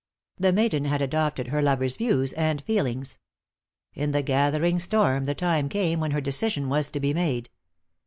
The maiden had adopted her lover's views and feelings. In the gathering storm, the time came when her decision was to be made.